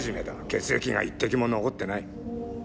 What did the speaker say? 血液が一滴も残ってない。